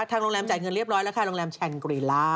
โรงแรมจ่ายเงินเรียบร้อยแล้วค่ะโรงแรมแชนกรีล่า